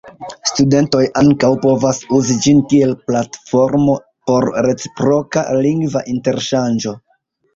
Studentoj ankaŭ povas uzi ĝin kiel platformo por reciproka lingva interŝanĝo.